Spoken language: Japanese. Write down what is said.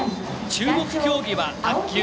注目競技は卓球。